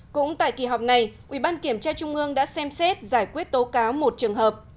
cũng tại kỳ họp này ủy ban kiểm tra trung ương đã xem xét giải quyết tố cáo một trường hợp